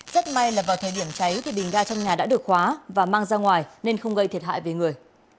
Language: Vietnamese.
rất may là vào thời điểm cháy thì bình ga trong nhà đã được khóa và mang ra ngoài nên không gây thiệt hại về người